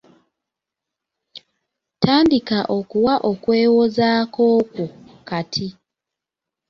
Tandika okuwa okwewozaako kwo kati.